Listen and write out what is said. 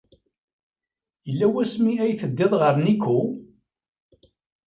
Yella wasmi ay teddiḍ ɣer Nikko?